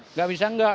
nggak bisa enggak